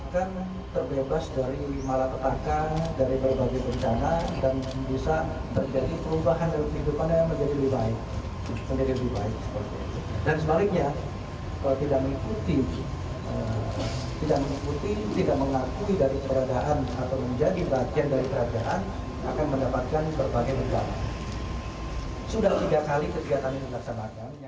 tidak mengakui dari keradaan atau menjadi bagian dari keradaan akan mendapatkan berbagai berita